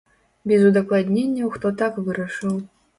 Без удакладненняў, хто так вырашыў.